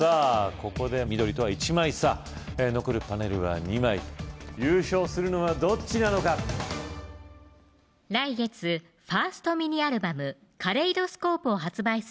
ここで緑とは１枚差残るパネルは２枚優勝するのはどっちなのか来月ファーストミニアルバムＫａｌｅ知られる声優です